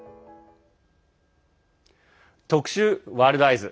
特集「ワールドＥＹＥＳ」。